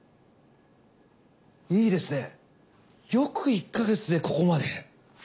いいですねよく１か月でここまで。